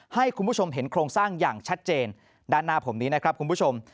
ให้คุณผู้ชมเห็นโครงสร้างอย่างชัดเจนด้านหน้าผมนี้นะครับคุณผู้ชม